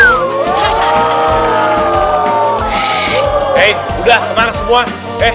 oke udah teman teman